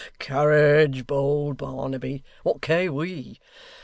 Courage, bold Barnaby, what care we?